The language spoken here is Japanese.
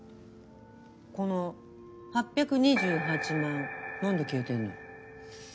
この８２８万円何で消えてんの？